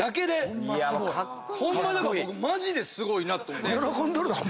ホンマにだから僕マジですごいなと思うて。